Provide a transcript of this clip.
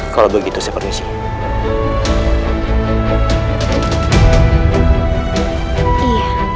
kalau begitu saya permisi